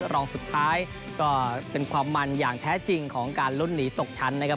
รองสุดท้ายก็เป็นความมันอย่างแท้จริงของการลุ้นหนีตกชั้นนะครับ